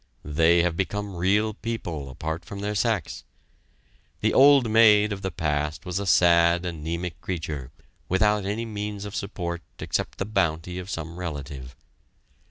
They have become real people apart from their sex. The "old maid" of the past was a sad, anemic creature, without any means of support except the bounty of some relative.